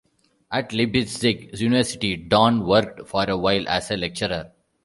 At Leipzig University Dorn worked for a while as a lecturer.